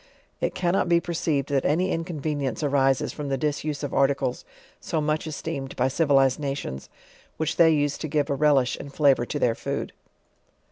It cannot be perceived that any inconvenience arises .from the disuse of articles so much esteemed by civilized nations, which they use to give a relish and flavor to their food.